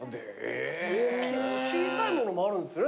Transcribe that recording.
小さいものもあるんですね